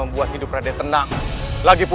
masuklah ke dalam